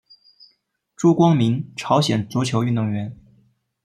朱光民朝鲜足球运动员。